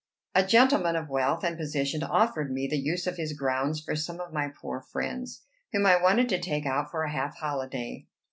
A gentleman of wealth and position offered me the use of his grounds for some of my poor friends, whom I wanted to take out for a half holiday.